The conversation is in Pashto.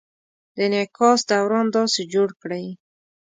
د انعکاس دوران داسې جوړ کړئ: